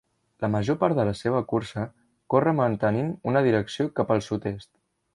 La major part de la seva cursa corre mantenint una direcció cap al sud-est.